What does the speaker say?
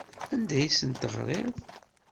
Anda ay asent-teɣriḍ?